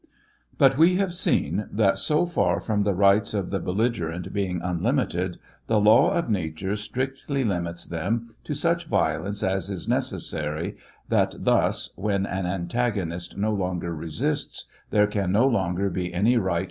But we have seen that so far from the rights of the belligerent being unlimited, the law of nature strictly limits them to such violence as is necessary, that thus, when an antagonist no longer resists, there can no longer be any right